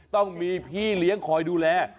ต้องมีพี่เลี้ยงคอยดูแล